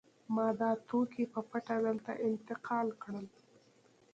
ما دا توکي په پټه دلته انتقال کړل